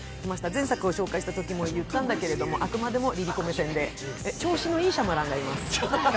前作を紹介したときも言ったんだけども、あくまでもＬｉＬｉＣｏ目線で調子のいいシャマランがいます。